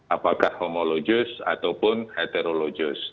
apakah homologus ataupun heterologus